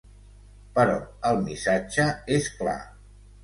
Però el missatge és clar.